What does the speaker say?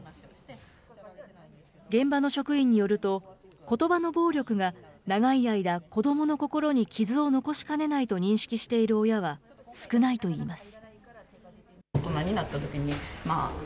現場の職員によると、ことばの暴力が長い間、子どもの心に傷を残しかねないと認識している親は少ないといいます。